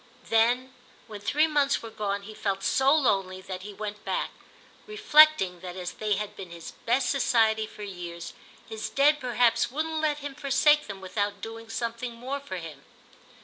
Then when three months were gone he felt so lonely that he went back; reflecting that as they had been his best society for years his Dead perhaps wouldn't let him forsake them without doing something more for him.